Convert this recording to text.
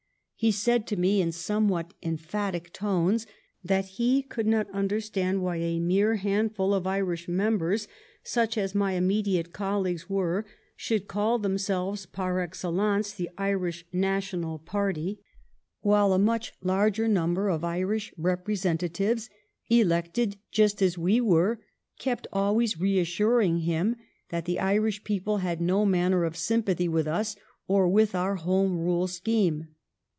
He said to me, in somewhat emphatic tones, that he could not understand why a mere handful of Irish members, such as my immediate colleagues were, should call themselves par excellence the Irish Nationalist Party, while a much larger number of Irish representatives, elected just as we were, kept always assuring him that the Irish people had no manner of sympathy with us or with our Home Rule scheme.